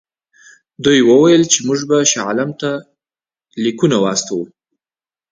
دوی وویل چې موږ به شاه عالم ته لیکونه واستوو.